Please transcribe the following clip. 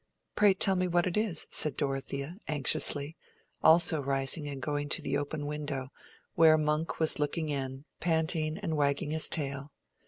"Pray tell me what it is," said Dorothea, anxiously, also rising and going to the open window, where Monk was looking in, panting and wagging his tail.